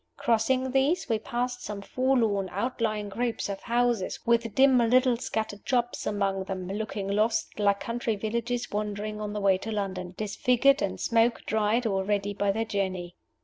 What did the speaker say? Crossing these, we passed some forlorn outlying groups of houses with dim little scattered shops among them, looking like lost country villages wandering on the way to London, disfigured and smoke dried already by their journey.